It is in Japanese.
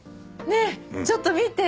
ねえちょっと見て！